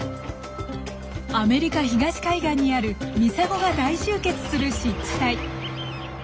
アメリカ東海岸にあるミサゴが大集結する湿地帯。